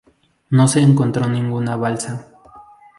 No se encontró ninguna balsa.